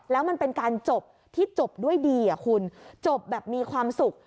แล้วมันเป็นการจบที่จบด้วยดีคุณจบแบบมีความสุข